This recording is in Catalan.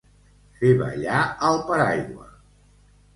Fer ballar al paraigua.